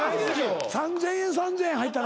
３，０００円３，０００円入ったのか？